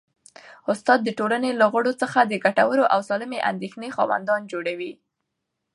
استاد د ټولني له غړو څخه د ګټورو او سالمې اندېښنې خاوندان جوړوي.